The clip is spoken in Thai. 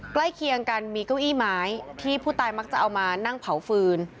เคียงกันมีเก้าอี้ไม้ที่ผู้ตายมักจะเอามานั่งเผาฟืน